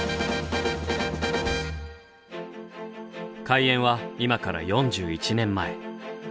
開園は今から４１年前。